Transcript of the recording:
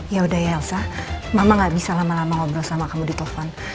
yaudah ya elsa mama enggak bisa lama lama ngobrol sama kamu di telepon